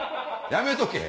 やめとけ！